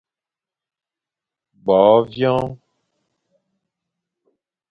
Bo vyoñ.